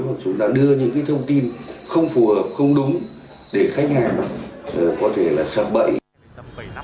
để chúng ta đưa những thông tin không phù hợp không đúng để khách hàng có thể sạc bậy